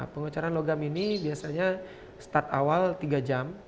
pengecoran logam ini biasanya start awal tiga jam